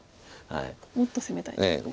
もっと攻めたいと。